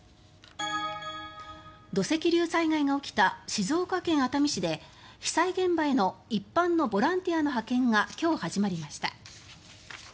土石流災害が起きた静岡県熱海市で被災現場への一般のボランティアの派遣が今日、始まりました。